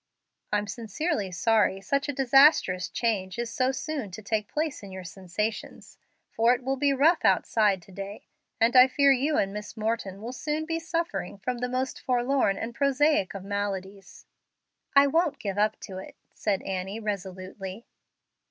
"I'm sincerely sorry such a disastrous change is so soon to take place in your sensations, for it will be rough outside to day, and I fear you and Miss Morton will soon be suffering from the most forlorn and prosaic of maladies." "I won't give up to it," said Annie, resolutely.